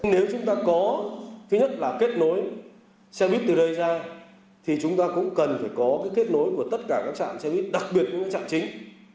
nếu chúng ta có kết nối xe buýt từ đây ra thì chúng ta cũng cần có kết nối của tất cả các trạm xe buýt đặc biệt những trạm chính